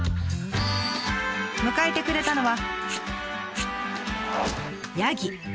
迎えてくれたのは。